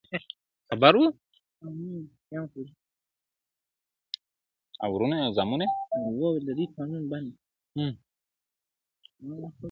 د خپل ځان او کورنۍ لپاره -